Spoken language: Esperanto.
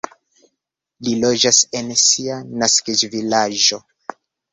Li loĝas en sia naskiĝvilaĝo.